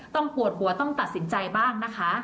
ปวดหัวต้องตัดสินใจบ้างนะคะ